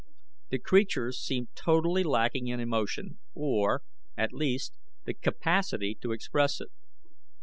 The creatures seemed totally lacking in emotion, or, at least, the capacity to express it.